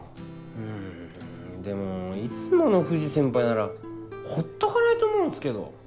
うんでもいつもの藤先輩ならほっとかないと思うんすけど。